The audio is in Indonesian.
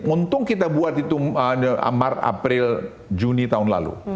untung kita buat itu maret april juni tahun lalu